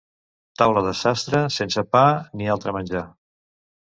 Taula de sastre, sense pa ni altre menjar.